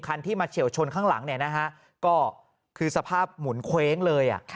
ที่มาเฉียวชนข้างหลังเนี่ยนะฮะก็คือสภาพหมุนเคว้งเลย